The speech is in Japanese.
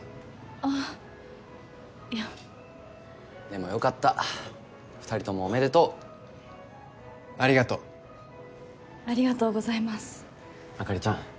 あっいやでもよかった二人ともおめでとうありがとうありがとうございますあかりちゃん